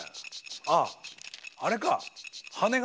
あああれか。